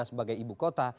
sebagai ibu kota